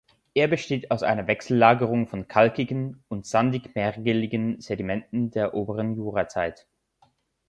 Er besteht aus einer Wechsellagerung von kalkigen und sandig-mergeligen Sedimenten der oberen Jurazeit.